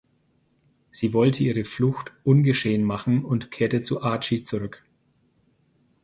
Sie wollte ihre Flucht ungeschehen machen und kehrte zu „Archie“ zurück.